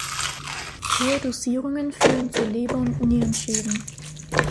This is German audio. Hohe Dosierungen führen zu Leber- und Nierenschäden.